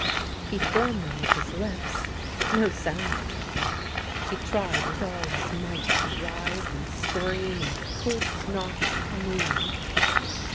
He formed them with his lips, but no sound came. He tried with all his might to rise and scream, and he could not move.